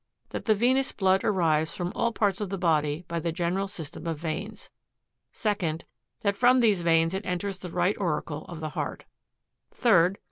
That the venous blood arrives from all parts of the body by the general system of veins; 2d. That from these veins it enters the right auricle of the heart ; 3rd.